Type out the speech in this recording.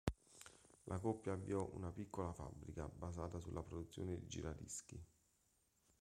La coppia avviò una piccola fabbrica, basata sulla produzione di giradischi.